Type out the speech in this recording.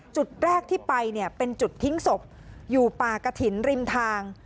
จุดแรกที่ไปเนี่ยเป็นจุดทิ้งศพอยู่ป่ากระถิ่นริมทาง